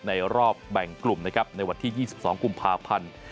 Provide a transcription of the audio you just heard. รอบแบ่งกลุ่มนะครับในวันที่๒๒กุมภาพันธ์